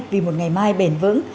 vì một ngày mai bền vững